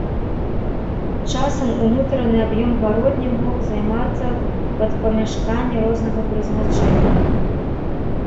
Часам унутраны аб'ём гародні мог займацца пад памяшканні рознага прызначэння.